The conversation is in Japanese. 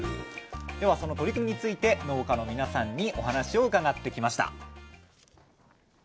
ではその取り組みについて農家の皆さんにお話を伺ってきました。